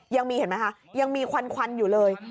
เห็นไหมคะยังมีควันอยู่เลย